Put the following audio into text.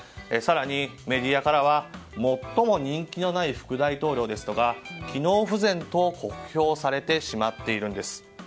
更に、メディアからは最も人気のない副大統領ですとか機能不全と酷評されてしまっているんです。